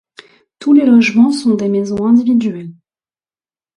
Tous les logements sont des maisons individuelles.